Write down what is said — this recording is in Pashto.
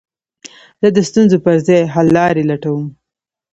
زه د ستونزو پر ځای، حللاري لټوم.